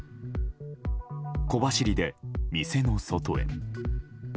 小走りで店の外へ。